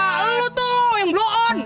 ah lu tuh yang blow on